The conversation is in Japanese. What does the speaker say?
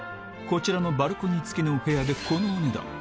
こちらのバルコニー付きのお部屋でこのお値段